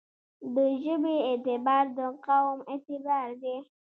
دژبې اعتبار دقوم اعتبار دی.